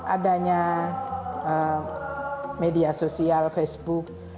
adanya media sosial facebook